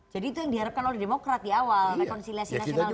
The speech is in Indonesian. jadi itu yang diharapkan oleh demokrat di awal rekonsiliasi nasional dulu